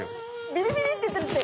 ビリビリっていってるって！